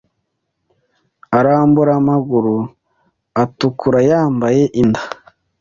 arambura amaguru atukura Yambaye imyenda